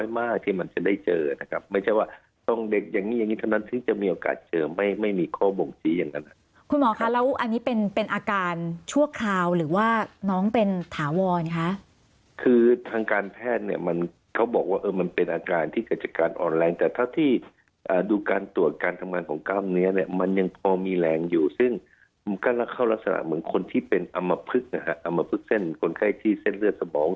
ไม่ไม่มีข้อบงชีอย่างนั้นคุณหมอคะแล้วอันนี้เป็นเป็นอาการชั่วคราวหรือว่าน้องเป็นถาวรค่ะคือทางการแพทย์เนี่ยมันเขาบอกว่ามันเป็นอาการที่กระจกการอ่อนแรงแต่ถ้าที่ดูการตรวจการทำงานของกล้ามเนี้ยเนี้ยมันยังพอมีแรงอยู่ซึ่งมันก็ละเข้ารักษณะเหมือนคนที่เป็นอำมะพึกนะฮะอำมะพึกเส้นคนไข้ที่เส